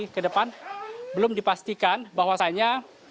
selama beberapa hari ke depan belum dipastikan bahwasannya